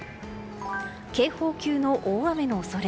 警報級の大雨の恐れ。